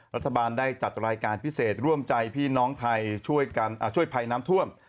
รัฐบาลได้จัดรายการพิเศษร่วมใจพี่น้องไทยช่วยภัยน้ำท่วม